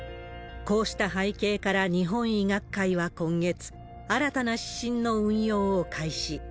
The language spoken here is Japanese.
こうした背景から、日本医学会は今月、新たな指針の運用を開始。